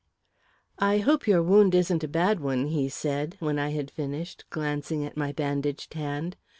"I hope your wound isn't a bad one," he said, when I had finished, glancing at my bandaged hand.